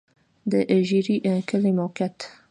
د ژرۍ کلی موقعیت